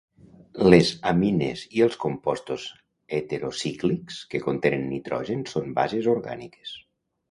Les amines i els compostos heterocíclics que contenen nitrogen són bases orgàniques.